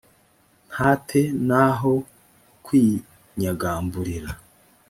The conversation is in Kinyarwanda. nta te n aho kwinyagamburira